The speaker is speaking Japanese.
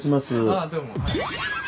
ああどうも。